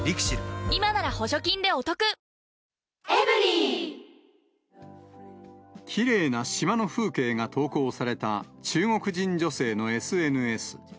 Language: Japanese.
今なら補助金でお得きれいな島の風景が投稿された中国人女性のＳＮＳ。